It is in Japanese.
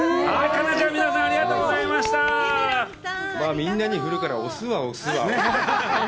みんなに振るから、押すわ押すわ。